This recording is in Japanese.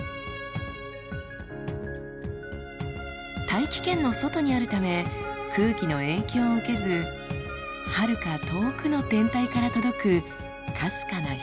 大気圏の外にあるため空気の影響を受けずはるか遠くの天体から届くかすかな光も逃しません。